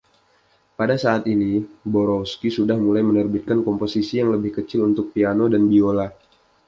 Pada saat ini Borowski sudah mulai menerbitkan komposisi yang lebih kecil untuk piano dan biola.